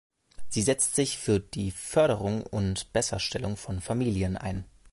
Sie setzt sie sich für die Förderung und Besserstellung von Familien ein.